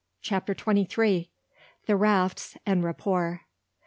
CHAPTER TWENTY THREE. THE RAFTS EN RAPPORT.